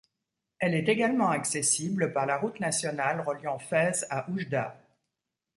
Elle est également accessible par la route nationale reliant Fès à Oujda.